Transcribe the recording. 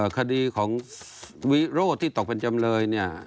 คดีของวิโรธที่ตกเป็นจำเลยเนี่ย